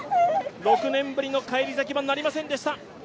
６年ぶりの返り咲きはなりませんでした。